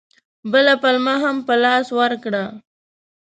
بله پلمه هم په لاس ورکړه.